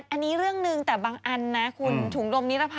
อันนี้เรื่องหนึ่งแต่บางอันนะคุณ